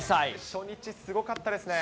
初日すごかったですね。